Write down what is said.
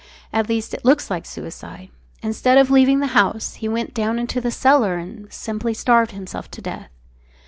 At least, it looks like suicide. Instead of leaving the house, he went down into the cellar and simply starved himself to death.